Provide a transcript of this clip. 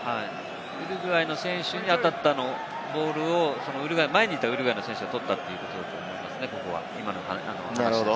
ウルグアイの選手に当たったボールをウルグアイ、前にいたウルグアイの選手が取ったということですね。